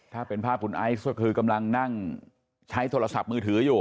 ถ้าเป็นภาพคุณไอซ์ก็คือกำลังนั่งใช้โทรศัพท์มือถืออยู่